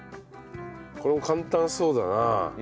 これも簡単そうだな。